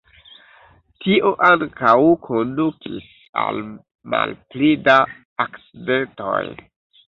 Tio ankaŭ kondukis al malpli da akcidentoj.